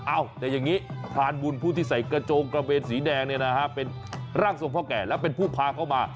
แต่อย่างนี้ทานบุญผู้ที่ใส่กระโจงกระเบนสีแดงเนี่ยนะฮะเป็นร่างทรงพ่อแก่แล้วเป็นผู้พาเข้ามา